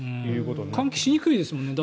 換気しにくいですよね。